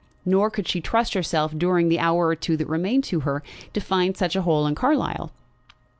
Nor could she trust herself, during the hour or two that remained to her, to find such a hole in Carlisle.